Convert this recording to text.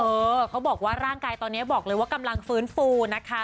เขาบอกว่าร่างกายตอนนี้บอกเลยว่ากำลังฟื้นฟูนะคะ